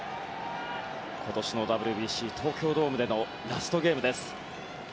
今年のＷＢＣ、東京ドームでのラストゲームです。